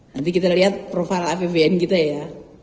nanti kita lihat profil apbn kita ya